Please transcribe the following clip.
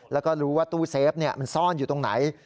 แล้วก็รู้ว่าตู้เซฟมันซ่อนอยู่ตรงไหน